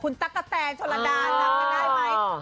คุณตะกะแทนชะละดาจำได้ไหม